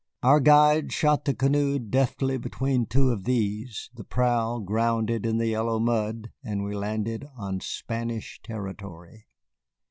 Our guides shot the canoe deftly between two of these, the prow grounded in the yellow mud, and we landed on Spanish territory.